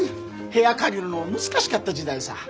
部屋借りるのも難しかった時代さぁ。